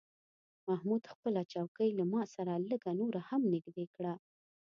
محمود خپله چوکۍ له ما سره لږه نوره هم نږدې کړه.